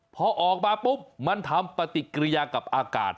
พอออกมาปุ๊บมันทำปฏิกิริยากับอากาศ